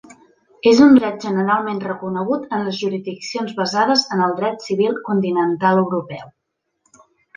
És un dret generalment reconegut en les jurisdiccions basades en el dret civil continental europeu.